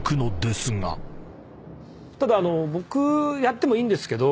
ただ僕やってもいいんですけど。